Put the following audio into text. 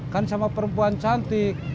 kan sama perempuan cantik